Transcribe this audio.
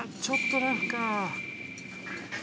ちょっとラフか。